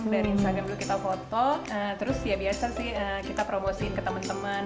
dari instagram dulu kita foto terus ya biasa sih kita promosiin ke teman teman